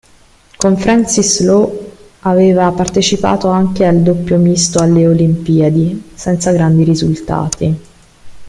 Con Francis Lowe aveva partecipato anche al doppio misto alle olimpiadi, senza grandi risultati.